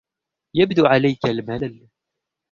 يبدو عليك الملل.